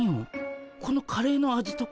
このカレーの味とか？